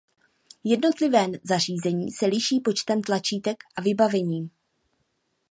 Jednotlivé zařízení se liší počtem tlačítek a vybavením.